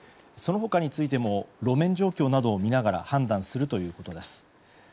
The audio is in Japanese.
その他についても路面状況などを見ながら判断するということです。